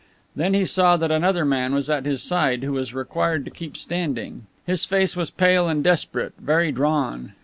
Then he saw that another man was at his side, who was required to keep standing. His face was pale and desperate, very drawn.